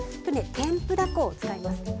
天ぷら粉を使います。